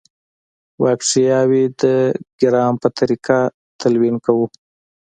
باکټریاوې د ګرام په طریقه تلوین کوو.